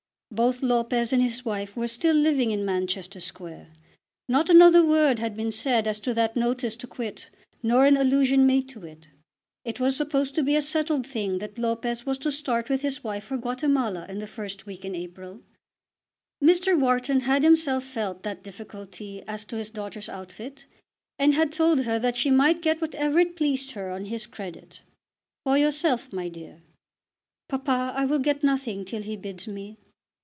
Both Lopez and his wife were still living in Manchester Square. Not another word had been said as to that notice to quit, nor an allusion made to it. It was supposed to be a settled thing that Lopez was to start with his wife for Guatemala in the first week in April. Mr. Wharton had himself felt that difficulty as to his daughter's outfit, and had told her that she might get whatever it pleased her on his credit. "For yourself, my dear." "Papa, I will get nothing till he bids me."